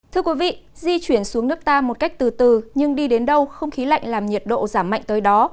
thưa quý vị di chuyển xuống nước ta một cách từ từ nhưng đi đến đâu không khí lạnh làm nhiệt độ giảm mạnh tới đó